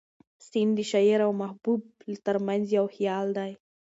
سیند د شاعر او محبوب تر منځ یو حایل دی.